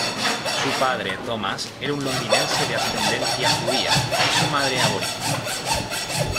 Su padre, Thomas, era un londinense de ascendencia judía y su madre aborigen.